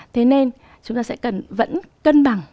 thế nên chúng ta sẽ cần vẫn cân bằng